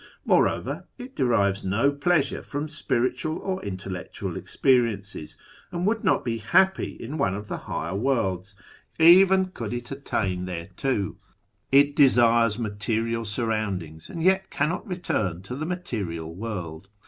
IMoreover, it derives no pleasure from spiritual or intellectual experiences, and would not be hap])y in one of the higher worlds, even could it attain thereto. It desires material surroundings, and yet cannot return to the material world.